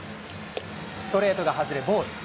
ストレートが外れボール。